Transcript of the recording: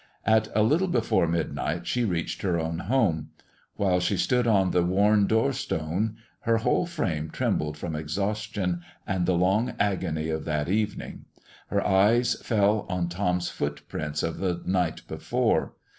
At a little before midnight she reached her own home. While she stood on the worn door stone, her whole frame trembling from exhaustion and the long agony of that evening, her eyes fell on Tom's footprints of the night before.